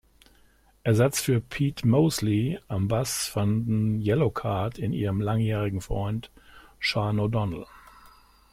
Ersatz für Pete Mosley am Bass fanden Yellowcard in ihrem langjährigen Freund Sean O'Donnell.